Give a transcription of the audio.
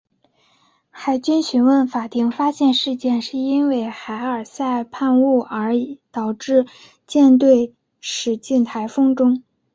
海军讯问法庭发现事件是因为海尔赛误判而导致舰队驶进台风中。